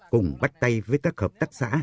cùng bắt tay với các hợp tác xã